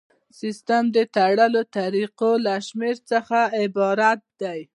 سیسټم د تړلو طریقو له شمیر څخه عبارت دی.